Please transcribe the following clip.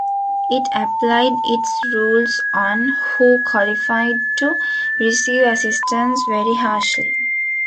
It applied its rules on who qualified to receive assistance very harshly.